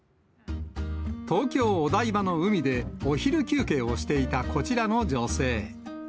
東京・お台場の海で、お昼休憩をしていたこちらの女性。